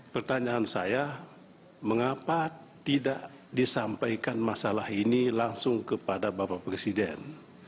pertanyaan saya mengapa tidak disampaikan masalah ini langsung kepada bapak presiden